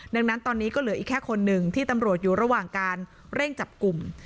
ดังนั้นตอนนี้ก็เหลืออีกแค่คนหนึ่งที่ตำรวจอยู่ระหว่างการเร่งจับกลุ่ม